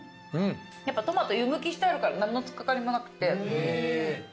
トマト湯むきしてあるから何のつっかかりもなくて。